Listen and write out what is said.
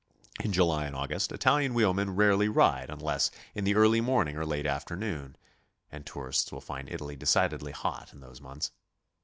In July and August Italian w'heel men rarely ride unless in the early morning or late after noon, and tourists will find Italy decidedly hot in those months.